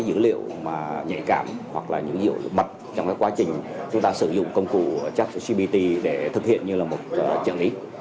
các dữ liệu nhạy cảm hoặc là những dữ liệu bật trong quá trình chúng ta sử dụng công cụ chắc gpt để thực hiện như là một trợ lý